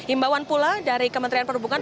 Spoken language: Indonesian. imbauan pula dari kementerian perhubungan